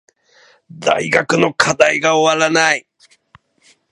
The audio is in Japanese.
大学の課題が終わらない